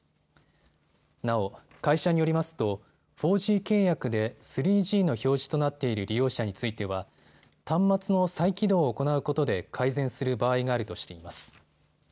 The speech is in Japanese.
なお、会社によりますと４Ｇ契約で３Ｇの表示となっている利用者については端末の再起動を行うことで改善する場合があるとしています。